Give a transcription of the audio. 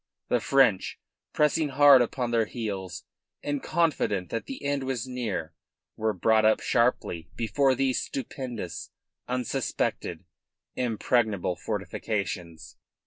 The French, pressing hard upon their heels and confident that the end was near, were brought up sharply before those stupendous, unsuspected, impregnable fortifications.